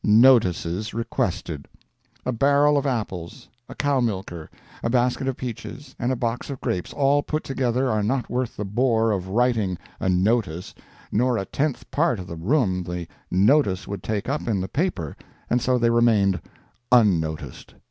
"Notices" requested. A barrel of apples, a cow milker, a basket of peaches, and a box of grapes, all put together, are not worth the bore of writing a "notice," nor a tenth part of the room the "notice" would take up in the paper, and so they remained unnoticed.